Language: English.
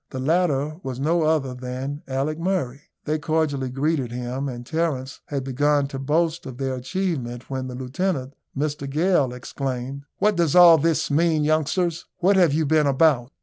The latter was no other than Alick Murray. They cordially greeted him; and Terence had begun to boast of their achievement when the lieutenant, Mr Gale, exclaimed, "What does all this mean, youngsters? What have you been about?"